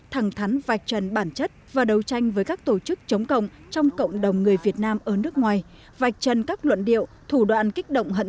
thẳng thắn vạch trần bản chất và đấu tranh với các tổ chức chống cộng trong cộng đồng người việt nam ở nước ngoài